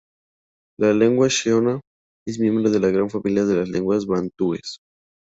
La lengua shona es miembro de la gran familia de las lenguas bantúes.